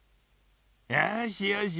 よしよし